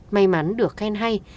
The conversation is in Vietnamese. may mắn được khen hay